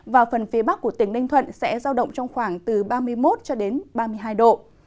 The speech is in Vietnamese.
và phần phía bắc của tỉnh ninh thuận sẽ giao động trong khoảng từ ba mươi một ba mươi hai độ